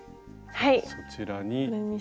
そちらに。